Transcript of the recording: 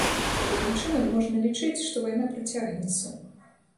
Такім чынам, можна лічыць, што вайна працягнецца.